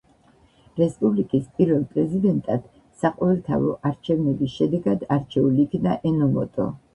რესპუბლიკის პირველ პრეზიდენტად საყოველთაო არჩევნების შედეგად არჩეულ იქნა ენომოტო.